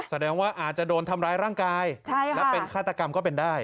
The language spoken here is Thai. แสดงว่าอาจจะโดนทำร้ายร่างกายและเป็นฆาตกรรมก็เป็นได้